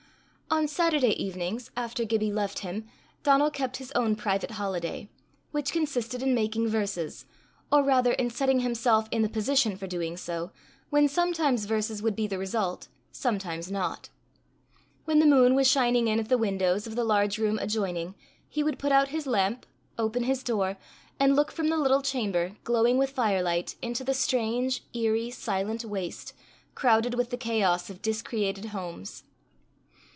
On Saturday evenings, after Gibbie left him, Donal kept his own private holiday, which consisted in making verses, or rather in setting himself in the position for doing so, when sometimes verses would be the result, sometimes not. When the moon was shining in at the windows of the large room adjoining, he would put out his lamp, open his door, and look from the little chamber, glowing with fire light, into the strange, eerie, silent waste, crowded with the chaos of dis created homes.